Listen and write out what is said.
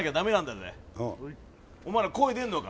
お前ら、声出んのか？